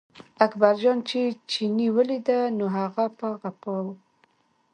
اکبرجان چې چیني ولیده، نو هغه په غپا و.